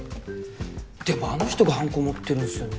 でもあの人がハンコ持ってるんすよね。